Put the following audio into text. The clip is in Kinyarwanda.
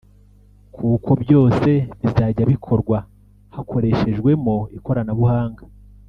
kuko byose bizajya bikorwa hakoreshejwemo ikoranabuhanga”